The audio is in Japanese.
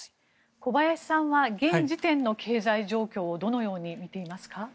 小林さんは現時点の経済状況をどのように見ていますか？